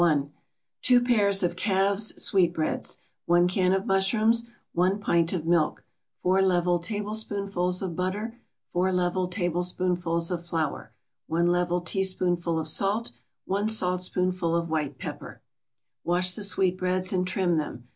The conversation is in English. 1 2 pairs of calves' sweetbreads 1 can of mushrooms 1 pint of milk 4 level tablespoonfuls of butter 4 level tablespoonfuls of flour 1 level teaspoonful of salt 1 saltspoonful of white pepper Wash the sweetbreads and trim them.